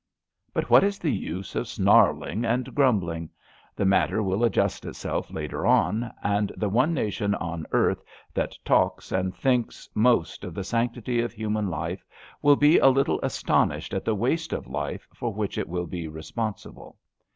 But what is the use of snarling and grmnblingf The matter will adjust itself later on, and the one nation on earth that talks and thinks most of the sanctity of human life will be a little astonished at the waste of life for which it will be responsible.